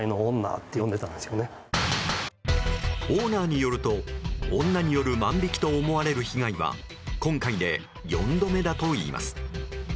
オーナーによると女による万引きと思われる被害は今回で４度目だといいます。